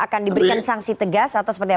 akan diberikan sanksi tegas atau seperti apa